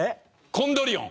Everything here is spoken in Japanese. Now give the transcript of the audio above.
コンドリオン？